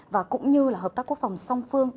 và cũng như là hợp tác quốc phòng song phương